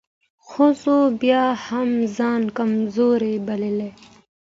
ښځو بيا هم ځان کمزورۍ بلل .